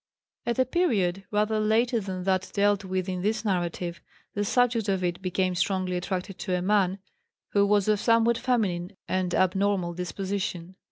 At a period rather later than that dealt with in this narrative, the subject of it became strongly attracted to a man who was of somewhat feminine and abnormal disposition.